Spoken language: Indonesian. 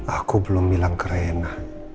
aku belum hilang krena